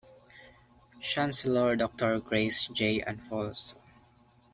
Chancellor Doctor Grace J. Alfonso.